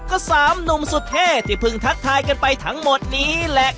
ก็สามหนุ่มสุดเท่ที่เพิ่งทักทายกันไปทั้งหมดนี้แหละ